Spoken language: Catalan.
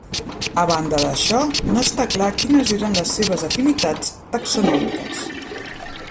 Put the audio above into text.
A banda d'això, no està clar quines eren les seves afinitats taxonòmiques.